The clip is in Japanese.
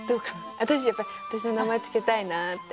私やっぱり私の名前付けたいなって。